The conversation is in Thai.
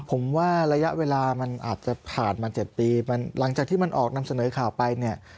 ผมว่าระยะเวลามันอาจจะผ่านมา๗ปีมันหลังจากที่มันออกนำเสนอข่าวไปเนี่ย